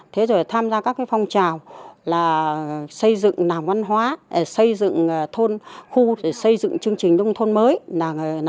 thế rồi tham gia các cái phong trào là xây dựng nàng văn hóa xây dựng thôn khu xây dựng chương trình nông thôn mới